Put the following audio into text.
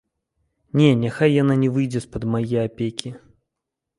Не, няхай яна не выйдзе з-пад мае апекі.